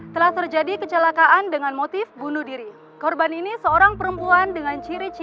telah terjadi kecelakaan dengan motif bunuh diri korban ini seorang perempuan dengan ciri ciri